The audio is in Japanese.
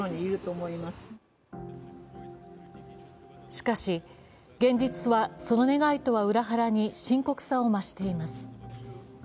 しかし、現実はその願いとは裏腹に深刻さを増しています。